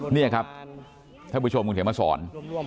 นี่ครับท่านผู้ชมคุณเขียนมาสอน